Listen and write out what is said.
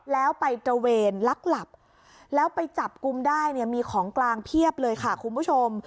แล้วไปตระเวนลักหลับแล้วไปจับกลุ่มได้เนี่ยมีของกลางเพียบเลยค่ะคุณผู้ชม